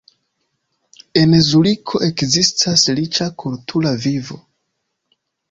En Zuriko ekzistas riĉa kultura vivo.